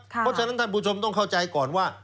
เพราะฉะนั้นท่านผู้ชมต้องเข้าใจก่อนว่า